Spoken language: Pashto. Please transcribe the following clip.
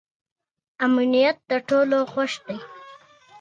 د سالنګ تونل هوا ولې ککړه ده؟